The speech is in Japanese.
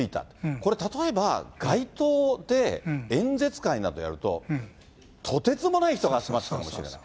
これ、例えば、街頭で、演説会などやると、とてつもない人が集まってたかもしれない。